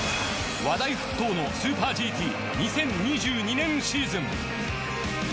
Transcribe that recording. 話題沸騰のスーパーＧＴ２０２２年シーズン。